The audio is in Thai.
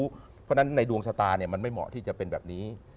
เพราะฉะนั้นในดวงชะตามันไม่เหมาะที่จะเป็นแบบนี้